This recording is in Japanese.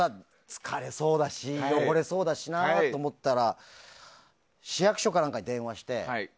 疲れそうだし汚れそうだしなと思ったら市役所か何かに連絡して。